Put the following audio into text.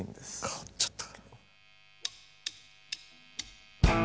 変わっちゃった。